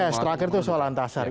yes terakhir itu soal antasari